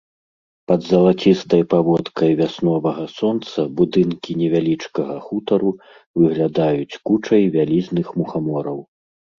Пад залацістай паводкай вясновага сонца будынкі невялічкага хутару выглядаюць кучай вялізных мухамораў.